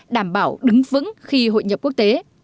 đảm bảo đứng vững khi hội nhập quốc tế